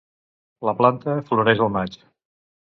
La planta floreix al maig.